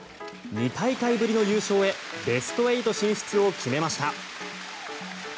２大会ぶりの優勝へベスト８進出を決めました。